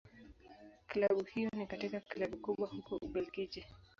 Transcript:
Klabu hiyo ni katika Klabu kubwa huko Ubelgiji.